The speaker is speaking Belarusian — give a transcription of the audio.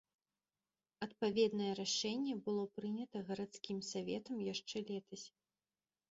Адпаведнае рашэнне было прынята гарадскім саветам яшчэ летась.